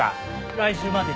来週までに。